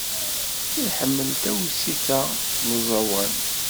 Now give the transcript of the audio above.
Iḥemmel tawsit-a n uẓawan.